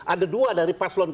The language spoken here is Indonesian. ada dua dari paslon dua